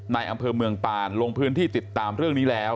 ในอำเภอเมืองปานลงพื้นที่ติดตามเรื่องนี้แล้ว